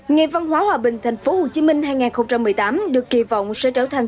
ngày văn hóa hòa bình tp hcm hai nghìn một mươi tám được kỳ vọng sẽ trở thành